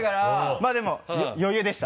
まぁでも余裕でした。